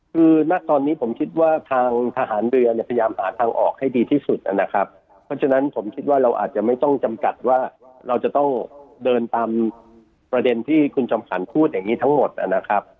คือณตอนนี้ผมคิดว่าทางทหารเรือเนี่ยพยายามหาทางออกให้ดีที่สุดนะครับเพราะฉะนั้นผมคิดว่าเราอาจจะไม่ต้องจำกัดว่าเราจะต้องเดินตามประเด็นที่คุณจอมขวัญพูดอย่างนี้ทั้งหมดนะครับ